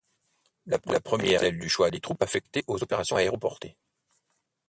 La première est celle du choix des troupes affectées aux opérations aéroportées.